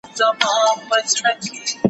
کونه خداى رانه کړه، په نيره ما سورۍ نه کړه.